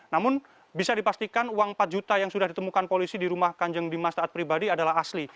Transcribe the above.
namun bisa dipastikan uang empat juta yang sudah ditemukan polisi di rumah kanjeng dimas taat pribadi adalah asli